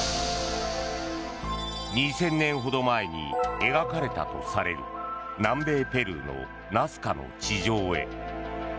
２０００年ほど前に描かれたとされる南米ペルーのナスカの地上絵。